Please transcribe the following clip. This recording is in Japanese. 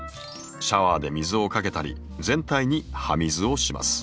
シャワーで水をかけたり全体に葉水をします。